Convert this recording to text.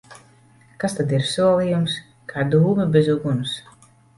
Kas tad ir solījums? Kā dūmi bez uguns!